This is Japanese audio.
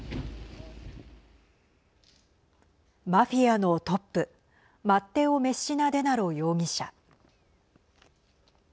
マフィアのトップマッテオ・メッシナデナロ容疑者。